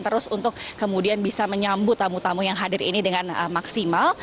terus untuk kemudian bisa menyambut tamu tamu yang hadir ini dengan maksimal